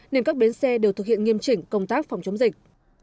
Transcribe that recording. nên các bến xe đều thực hiện nghiêm chỉnh công tác phòng chống dịch